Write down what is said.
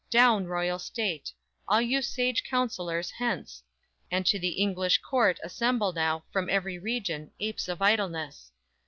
Down royal state! all you sage counsellors, hence! And to the English Court assemble now, From every region, apes of idleness!